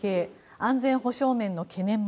安全保障面の懸念も。